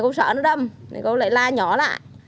cô sợ nó đâm cô lại la nhỏ lại